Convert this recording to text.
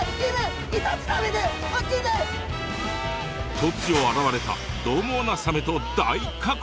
突如現れたどう猛なサメと大格闘！